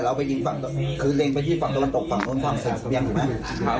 แต่เราไปยิงฝั่งคือเล็งไปที่ฝั่งตะวันตกฝั่งโทรศัพท์สุดยังถูกไหม